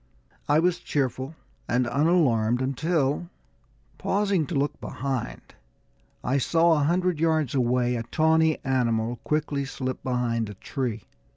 I was cheerful and unalarmed until, pausing to look behind, I saw, a hundred yards away, a tawny animal quickly slip behind a tree.